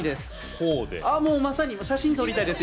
こうでまさに写真撮りたいです